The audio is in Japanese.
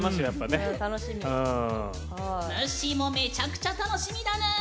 ぬっしーもめちゃくちゃ楽しみだぬん。